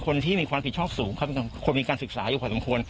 เขาเป็นคนที่มีความผิดชอบสูงเขามีการศึกษาอยู่พอสมควร